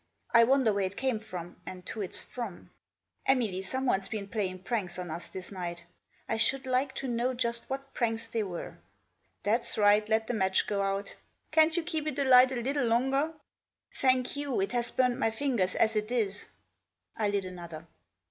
I wonder where it came from, and who it's from. Emily, someone's been playing pranks on us this night ; I should like to know just what pranks they were. That's right, let the match go out ; can't you keep it alight a little longer? "" Thank you ; it has burned my fingers as it is." I lit another.